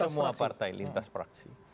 untuk semua partai lintas praksi